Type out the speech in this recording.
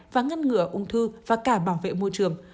và ngăn ngừa ung thư và cả bảo vệ môi trường